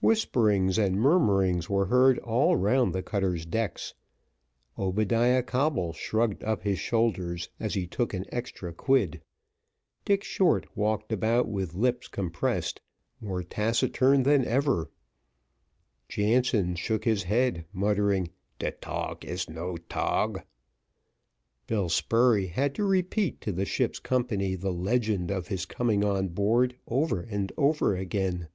Whisperings and murmurings were heard all round the cutter's decks. Obadiah Coble shrugged up his shoulders, as he took an extra quid Dick Short walked about with lips compressed, more taciturn than ever Jansen shook his head, muttering, "Te tog is no tog" Bill Spurey had to repeat to the ship's company the legend of his coming on board over and over again.